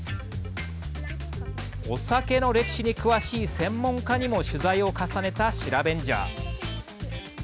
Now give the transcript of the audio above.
お酒の歴史に詳しい専門家にも取材を重ねたシラベンジャー。